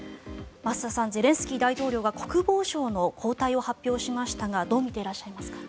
増田さん、ゼレンスキー大統領が国防相の交代を発表しましたがどう見ていらっしゃいますか？